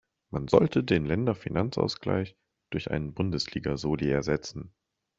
Man sollte den Länderfinanzausgleich durch einen Bundesliga-Soli ersetzen.